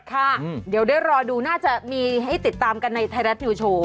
ค่ะเดี๋ยวได้รอดูน่าจะมีให้ติดตามกันในไทยรัฐนิวโชว์